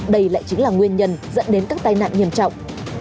đây lại chính là nguyên nhân dẫn đến các tai nạn nghiêm trọng